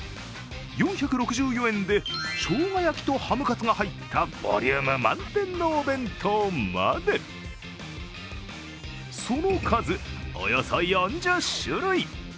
４６４円でしょうが焼きとハムカツが入ったボリューム満点のお弁当までその数、およそ４０種類。